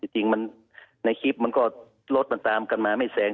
จริงในคลิปมันก็รถมันตามกันมาไม่แซง